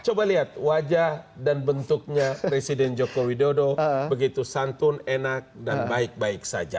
coba lihat wajah dan bentuknya presiden joko widodo begitu santun enak dan baik baik saja